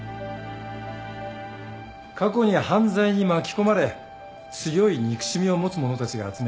過去に犯罪に巻き込まれ強い憎しみを持つ者たちが集められた。